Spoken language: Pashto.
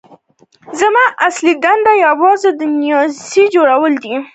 زما اصلي دنده یوازې د نيزې جوړول دي.